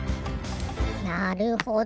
なるほど。